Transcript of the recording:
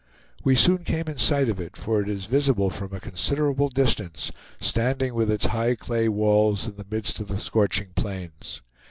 We soon came in sight of it, for it is visible from a considerable distance, standing with its high clay walls in the midst of the scorching plains.